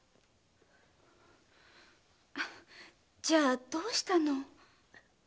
じゃあどうしたの？